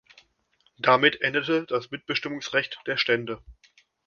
Damit endete das Mitbestimmungsrecht der Stände.